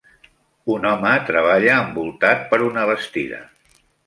Un home treballa envoltat per una bastida.